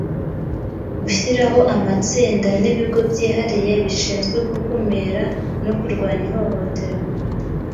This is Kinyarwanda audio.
gushyiraho amatsinda n’ibigo byihariye bishinzwe gukumira no kurwanya ihohoterwa